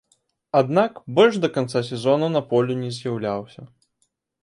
Аднак, больш да канца сезону на полі не з'яўляўся.